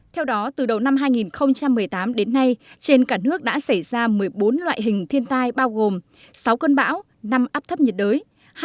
theo đó từ đầu năm hai nghìn một mươi tám đến nay trên cả nước đã xảy ra một mươi bốn loại hình thiên tai bao gồm sáu cơn bão năm áp thấp nhiệt đới